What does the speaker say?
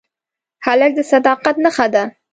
هلک د صداقت نښه ده.